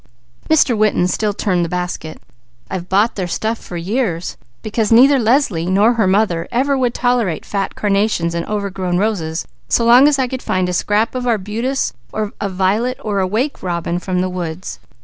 Mr. Winton still turned the basket. "I've bought their stuff for years, because neither Leslie nor her mother ever would tolerate fat carnations and overgrown roses so long as I could find a scrap of arbutus, a violet or a wake robin from the woods.